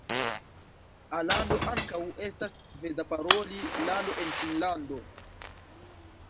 Alando ankaŭ estas Sveda-paroli lando en Finnlando.